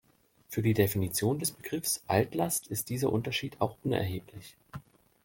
Für die Definition des Begriffs Altlast ist dieser Unterschied auch unerheblich.